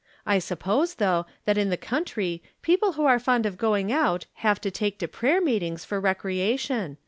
I suppose, though, that in the country, people who are fond of going out have to take to prayer meetings for recrea tion.